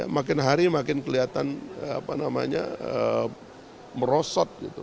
makin hari makin kelihatan merosot gitu